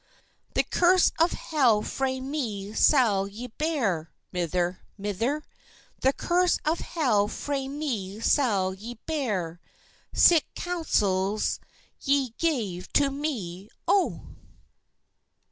"The curse of hell frae me sall ye bear, Mither, mither; The curse of hell frae me sall ye bear: Sic counsels ye gave to me, O!"